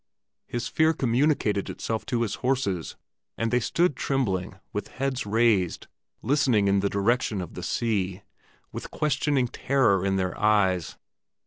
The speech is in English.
His fear communicated itself to his horses, and they stood trembling with heads raised listening in the direction of the sea, with questioning terror in their eyes.